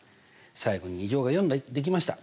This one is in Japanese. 最後に２乗が４にできました。